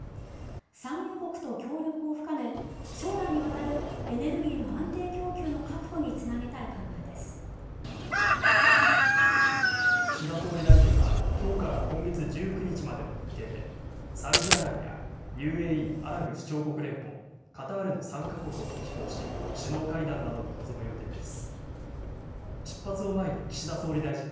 産油国と協力を深め、将来にわたるエネルギーの安定供給の確保に岸田総理大臣はきょうから今月１９日までの日程で、サウジアラビア、ＵＡＥ・アラブ首長国連邦、カタールの３か国を歴訪し、首脳会談などに臨む予定です。